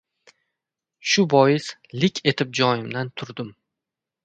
Shu bois — lik etib joyimdan turdim.